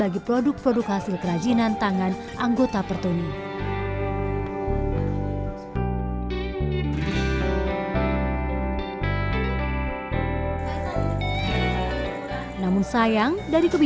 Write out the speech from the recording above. beginilah keseharian fitri dan zaky